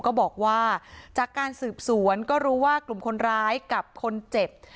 ก็บอกว่าจากการสืบสวนก็รู้ว่ากลุ่มคนร้ายกับคนเจ็บ